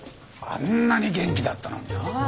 あんなに元気だったのになあ。